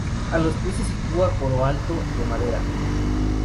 A los pies, se sitúa el coro alto, de madera.